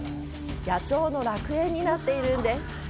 野鳥の楽園になっているんです。